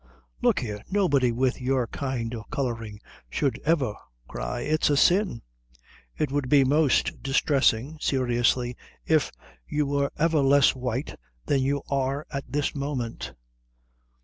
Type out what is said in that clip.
Look here, nobody with your kind of colouring should ever cry. It's a sin. It would be most distressing, seriously, if you were ever less white than you are at this moment."